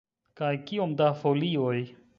Kaj kiom da folioj?